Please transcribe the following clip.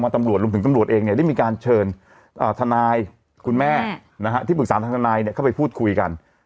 ออกมาตำรวจรุมจึงตำรวจเองได้มีการเชิญทางแถนท์คุณแม่ที่ปรึกษานทางท่านท่านแทน่ายเข้าไปพูดคุยกัน